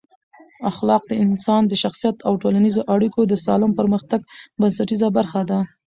اخلاق د انسان د شخصیت او ټولنیزو اړیکو د سالم پرمختګ بنسټیزه برخه ده.